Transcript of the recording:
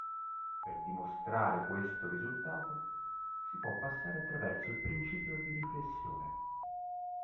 Per dimostrare questo risultato, si può passare attraverso il principio di riflessione.